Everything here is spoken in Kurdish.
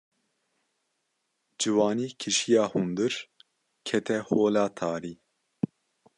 Ciwanî kişiya hundir, kete hola tarî.